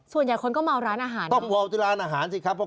ส่วนใหญ่คนก็เมาร้านอาหารต้องวอลที่ร้านอาหารสิครับ